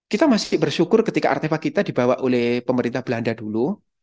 kita masih bersyukur ketika artefak kita dibawa oleh pemerintah belanda dulu